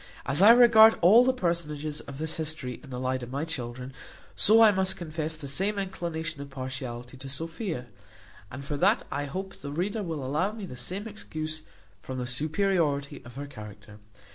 As I regard all the personages of this history in the light of my children; so I must confess the same inclination of partiality to Sophia; and for that I hope the reader will allow me the same excuse, from the superiority of her character.